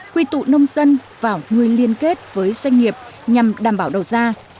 quy tụ nông dân và người liên kết với doanh nghiệp nhằm đảm bảo đầu ra